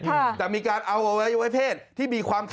อาวาสมีการฝังมุกอาวาสมีการฝังมุกอาวาสมีการฝังมุก